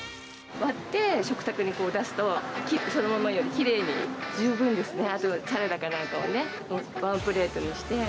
割って食卓に出すと、そのままきれいに、十分ですね、あと、サラダかなんかをワンプレートにして。